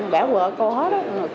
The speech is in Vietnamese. bẻ vợ cô hết